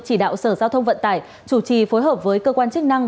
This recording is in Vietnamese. chỉ đạo sở giao thông vận tải chủ trì phối hợp với cơ quan chức năng